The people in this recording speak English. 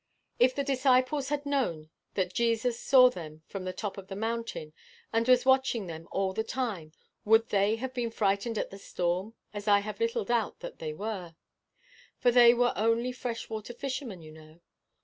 "If the disciples had known that Jesus saw them from the top of the mountain, and was watching them all the time, would they have been frightened at the storm, as I have little doubt they were, for they were only fresh water fishermen, you know?